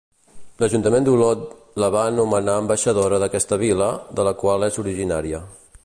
L'ajuntament d'Olot la va nomenar ambaixadora d'aquesta vila, de la qual és originària.